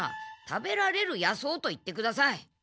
食べられる野草と言ってください。